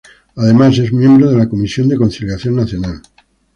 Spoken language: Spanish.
Además es miembro de la Comisión de Conciliación Nacional.